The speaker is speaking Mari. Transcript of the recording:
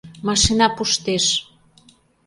Машина пуштеш!..